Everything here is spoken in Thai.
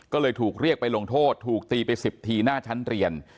ก็เลยถูกเรียกไปลงโทษถูกตีไป๑๐ทีหน้าชั้นเรียน